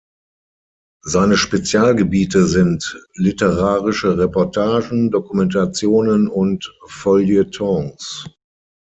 Seine Spezialgebiete sind literarische Reportagen, Dokumentationen und Feuilletons.